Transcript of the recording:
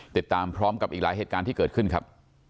ติดตามพร้อมกับอีกหลายเหตุการณ์ที่เกิดขึ้นครับ